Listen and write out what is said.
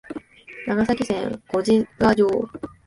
長崎県小値賀町